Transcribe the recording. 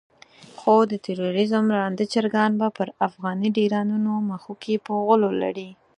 خو د تروريزم ړانده چرګان به پر افغاني ډيرانونو مښوکې په غولو لړي.